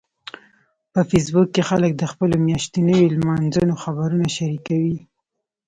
په فېسبوک کې خلک د خپلو میاشتنيو لمانځنو خبرونه شریکوي